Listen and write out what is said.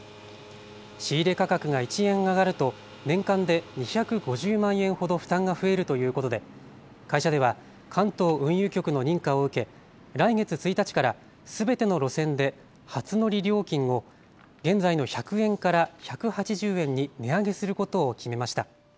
仕入れ価格が１円上がると年間で２５０万円ほど負担が増えるということで会社では関東運輸局の認可を受け来月１日からすべての路線で初乗り料金を現在の１００円から１８０円に値上げすることを決めました。